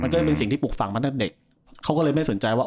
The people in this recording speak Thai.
ก็เป็นสิ่งที่ปลูกฝังมาตั้งแต่เด็กเขาก็เลยไม่สนใจว่า